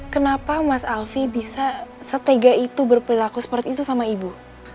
kenapa mas alfie bisa setega itu berperilaku seperti itu sama ibu